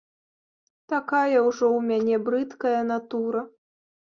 Такая ўжо ў мяне брыдкая натура.